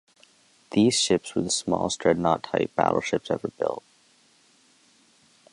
These ships were the smallest dreadnought-type battleships ever built.